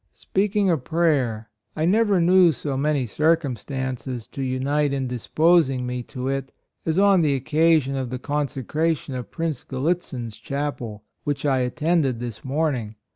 ''Speaking of prayer, I never knew so many cir cumstances to unite in disposing me to it, as on the occasion of the consecration of Prince Gallitzin's Chapel, which I attended this morning.